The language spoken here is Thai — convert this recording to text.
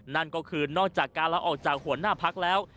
นั่นก็คือนอกจากการลาออกจากหัวหน้าพักแล้ว